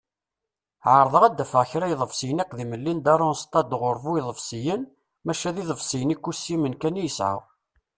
Ɛerḍeɣ ad d-afeɣ kra iḍebsiyen iqdimen n Linda Ronstadt ɣur bu-iḍebsiyen, maca d iḍebsiyen ikussimen kan i yesεa.